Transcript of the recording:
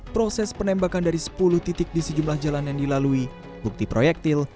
proses penembakan dari sepuluh titik di sejumlah jalan yang dilalui bukti proyektil